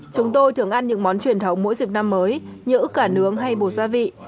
chúng tôi thường ăn những món truyền thống mỗi dịp năm mới nhỡ cả nướng hay bột gia vị